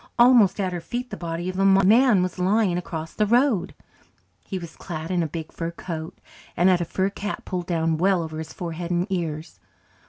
Almost at her feet the body of a man was lying across the road. He was clad in a big fur coat, and had a fur cap pulled well down over his forehead and ears.